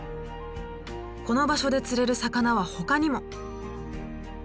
この場所で釣れる魚はほかにも。